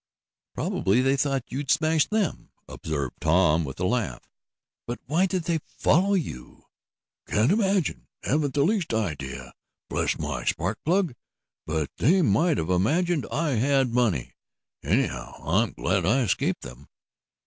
"Probably they thought you'd smash them," observed Tom with a laugh. "But why did they follow you?" "Can't imagine! Haven't the least idea. Bless my spark plug, but they might have imagined I had money. Anyhow I'm glad I escaped them!"